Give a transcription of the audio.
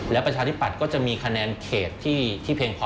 และประชาธิปัตย์ก็จะมีคะแนนเขตที่เพียงพอ